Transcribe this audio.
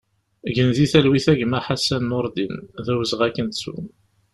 Gen di talwit a gma Ḥassan Nureddin, d awezɣi ad k-nettu!